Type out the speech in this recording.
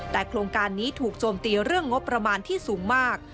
แต่โครงการนี้ถูกโจมตีเรื่องงบประมาณที่สูงมาก